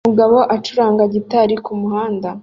umugabo acuranga gitari kumuhanda